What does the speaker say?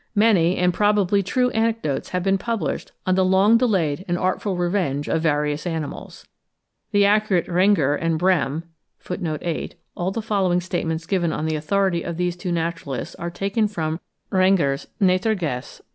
Many, and probably true, anecdotes have been published on the long delayed and artful revenge of various animals. The accurate Rengger, and Brehm (8. All the following statements, given on the authority of these two naturalists, are taken from Rengger's 'Naturgesch.